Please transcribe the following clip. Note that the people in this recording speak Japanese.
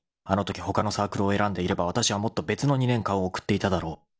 ［あのときほかのサークルを選んでいればわたしはもっと別の２年間を送っていただろう］